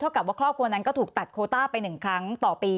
กับว่าครอบครัวนั้นก็ถูกตัดโคต้าไป๑ครั้งต่อปี